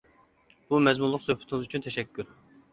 بۇ مەزمۇنلۇق سۆھبىتىڭىز ئۈچۈن تەشەككۈر!